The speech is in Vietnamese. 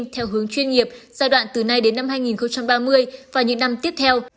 theo hướng chuyên nghiệp giai đoạn từ nay đến năm hai nghìn ba mươi và những năm tiếp theo